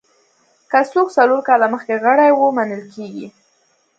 که څوک څلور کاله مخکې غړي وو منل کېږي.